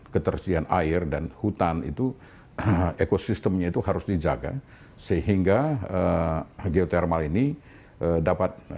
ketersediaan air dan hutan itu ekosistemnya itu harus dijaga sehingga geothermal ini dapat